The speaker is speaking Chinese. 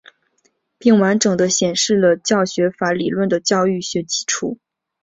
并完整地显示了教学法理论的教育学基础。